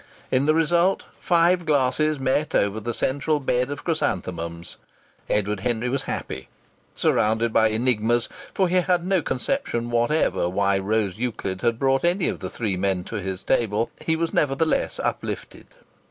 In the result five glasses met over the central bed of chrysanthemums. Edward Henry was happy. Surrounded by enigmas for he had no conception whatever why Rose Euclid had brought any of the three men to his table he was nevertheless uplifted.